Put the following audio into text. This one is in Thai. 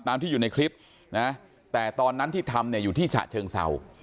ที่อยู่ในคลิปนะแต่ตอนนั้นที่ทำเนี่ยอยู่ที่ฉะเชิงเศร้า